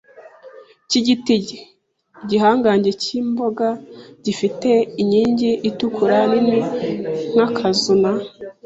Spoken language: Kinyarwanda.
cy'igiti - igihangange cy'imboga, gifite inkingi itukura nini nk'akazu, na a